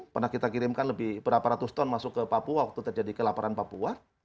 pernah kita kirimkan lebih berapa ratus ton masuk ke papua waktu terjadi kelaparan papua